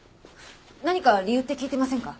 何か理由って聞いてませんか？